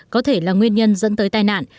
có thể là nguyên nhân dẫn tới tai nạn